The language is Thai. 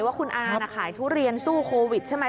ว่าคุณอาน่ะขายทุเรียนสู้โควิดใช่ไหม